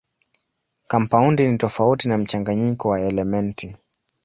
Kampaundi ni tofauti na mchanganyiko wa elementi.